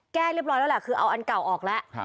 แก้เรียบร้อยแล้วแหละคือเอาอันเก่าออกแล้ว